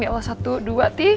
ya allah satu dua ti